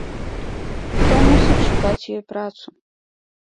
Хто мусіць шукаць ёй працу?